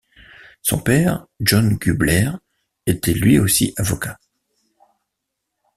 Son père, John Gubler, était lui aussi avocat.